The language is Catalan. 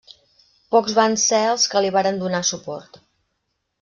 Pocs van ser els que li varen donar suport.